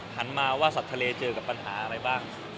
หันมาว่าสัตว์ทะเลเจอกับปัญหาอะไรบ้าง